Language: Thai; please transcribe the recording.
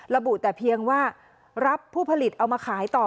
ระบุแต่เพียงว่ารับผู้ผลิตเอามาขายต่อ